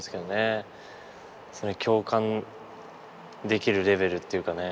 共感できるレベルっていうかね。